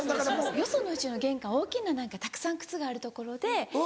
よその家の玄関大きな何かたくさん靴がある所で。